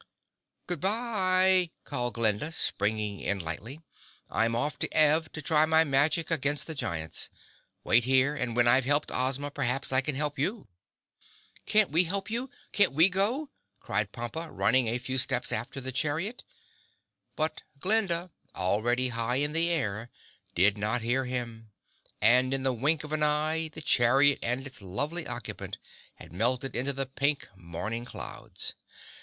"Good bye!" called Glinda, springing in lightly. "I'm off to Ev to try my magic against the giant's. Wait here and when I've helped Ozma perhaps I can help you!" "Can't we help? Can't we go?" cried Pompa, running a few steps after the chariot, but Glinda, already high in the air, did not hear him and in the wink of an eye the chariot and its lovely occupant had melted into the pink morning clouds.